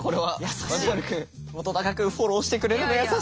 本君フォローしてくれるの優しい。